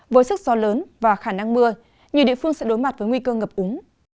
với sức gió lớn và khả năng mưa nhiều địa phương sẽ đối mặt với nguy cơ ngập úng